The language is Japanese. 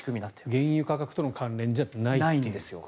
原油価格との関連じゃないと。